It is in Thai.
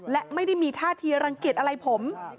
และไม่ได้มีท่าทีรังเกียจอะไรผม